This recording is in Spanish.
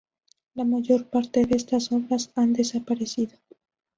La mayor parte de estas obras han desaparecido.